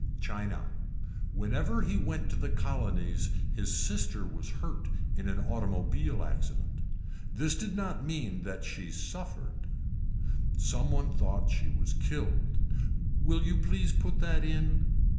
China. Whenever he went to the colonies his sister was hurt in an automobile accident. This did not mean that she suffered. Some one thought she was killed. Will you please put that in.